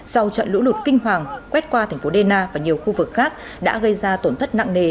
sau trận lũ lụt kinh hoàng quét qua thành phố dena và nhiều khu vực khác đã gây ra tổn thất nặng nề